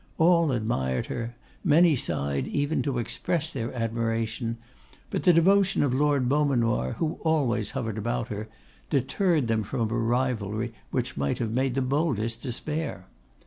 All admired her, many sighed even to express their admiration; but the devotion of Lord Beaumanoir, who always hovered about her, deterred them from a rivalry which might have made the boldest despair.